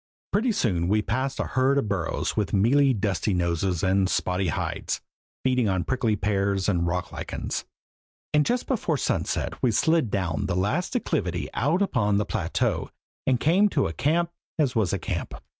Pretty soon we passed a herd of burros with mealy, dusty noses and spotty hides, feeding on prickly pears and rock lichens; and just before sunset we slid down the last declivity out upon the plateau and came to a camp as was a camp!